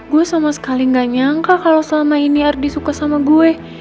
gue sama sekali gak nyangka kalau selama ini ardi suka sama gue